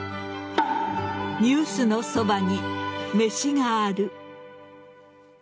「ニュースのそばに、めしがある。」